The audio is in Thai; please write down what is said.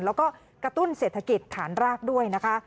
แล้วก็กระตุ้นเศรษฐกิจฐานรากด้วยนะคะ